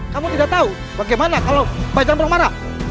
kamu tidak tahu bagaimana kalau pak jamrong marah